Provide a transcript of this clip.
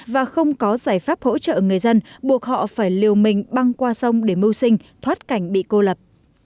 và không có giải pháp hỗ trợ người dân buộc họ phải liều mình băng qua sông để mưu sinh thoát cảnh bị cô lập